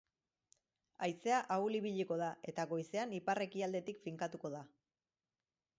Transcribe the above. Haizea ahul ibiliko da eta goizean ipar-ekialdetik finkatuko da.